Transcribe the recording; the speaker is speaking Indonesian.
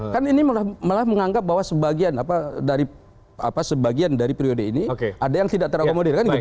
kan ini malah menganggap bahwa sebagian dari periode ini ada yang tidak terakomodir kan gitu